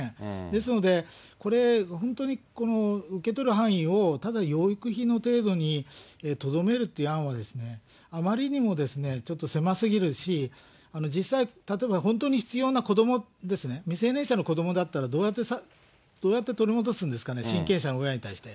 ですので、これ、本当に受け取る範囲を、ただ養育費の程度にとどめるっていう案は、あまりにもちょっと狭すぎるし、実際、例えば本当に必要な子どもですね、未成年者の子どもだったらどうやって取り戻すんですかね、親権者の親に対して。